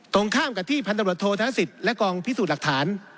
ตรงข้ามกับที่พันตำรวจโทษธนสิทธิ์และกองพิสูจน์หลักฐาน